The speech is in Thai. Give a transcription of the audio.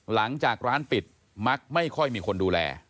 หลังจากร้านปิดมักไม่ค่อยมีคนดูแล